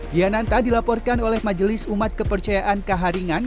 diananta dilaporkan oleh majelis umat kepercayaan kaharingan